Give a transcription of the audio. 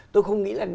tôi không nghĩ là